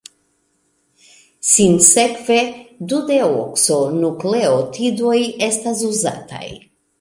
Sinsekve, dudeokso-nukleotidoj estas uzataj.